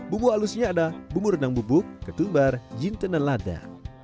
bumbu halusnya ada bumbu renang bubuk ketumbar jinten dan lada